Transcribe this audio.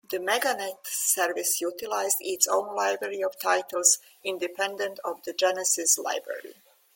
The Meganet service utilized its own library of titles, independent of the Genesis library.